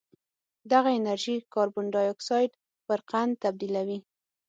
دغه انرژي کاربن ډای اکسایډ پر قند تبدیلوي